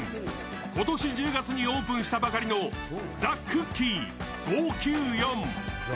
今年１０月にオープンしたばかりのＴＨＥＣＯＯＫＩＥ５９４。